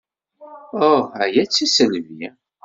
Uh, aya d tisselbi.